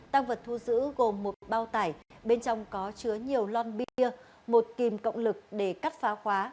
tăng vật thu giữ gồm một bao tải bên trong có chứa nhiều lon bia một kìm cộng lực để cắt phá khóa